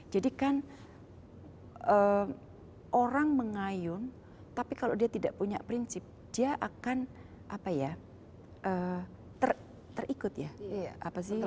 jadi kan orang mengayun tapi kalau dia tidak punya prinsip dia akan apa ya terikut ya